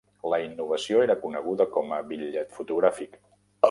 La innovació era coneguda com a "bitllet fotogràfic".